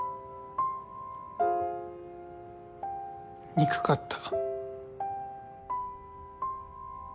憎かった